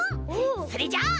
それじゃあ。